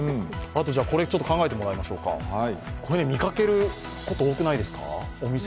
あと、これ考えてもらいましょうかこれ見かけること、多くないですか？